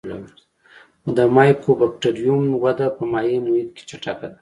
د مایکوبکټریوم وده په مایع محیط کې چټکه ده.